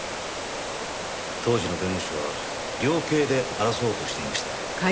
当時の弁護士は量刑で争おうとしていました。